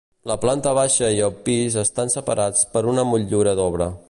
La planta baixa i el pis estan separats per una motllura d'obra.